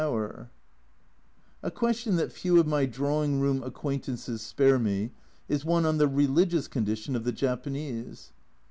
270 A Journal from Japan A question that few of my drawing room acquaint ances spare me is one on the religious condition of the Japanese.